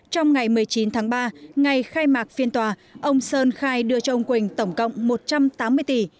trong ngày một mươi chín tháng ba ngày khai mạc phiên tòa ông sơn khai đưa cho ông quỳnh tổng cộng một trăm tám mươi tỷ